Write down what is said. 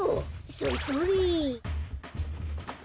それそれ。